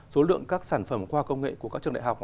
số lượng các sản phẩm khoa công nghệ của các trường đại học